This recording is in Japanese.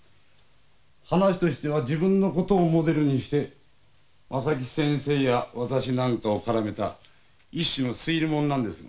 話としては自分のことをモデルにして正木先生や私なんかを絡めた一種の推理ものなんです。